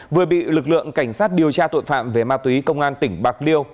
vừa bị lực lượng cảnh sát điều tra tội phạm về ma túy công an tỉnh bạc liêu